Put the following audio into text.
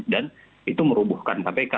dan itu merubuhkan kpk